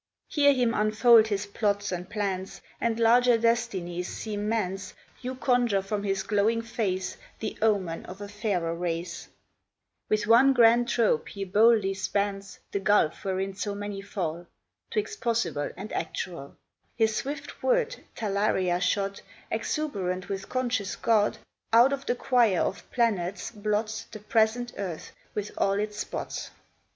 Hear him unfold his plots and plans, And larger destinies seem man's; You conjure from his glowing face The omen of a fairer race; With one grand trope he boldly spans The gulf wherein so many fall, 'Twixt possible and actual; His first swift word, talaria shod, Exuberant with conscious God, Out of the choir of planets blots The present earth with all its spots.